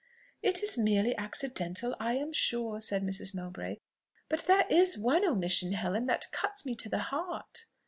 "It is merely accidental, I am sure," said Mrs. Mowbray. "But there is one omission, Helen, that cuts me to the heart!"